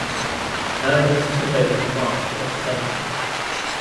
Herbert took over command of the company.